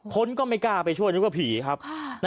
คนก็ไม่กล้าไปช่วยนึกว่าผีครับ